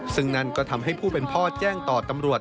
ซึ่งนั่นก็ทำให้ผู้เป็นพ่อแจ้งต่อตำรวจ